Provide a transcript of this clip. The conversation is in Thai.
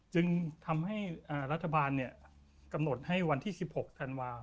จึงทำให้รัฐบาลกำหนดให้วันที่๑๖ธันวาค